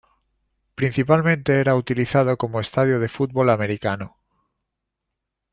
Principalmente era utilizado como estadio de fútbol americano.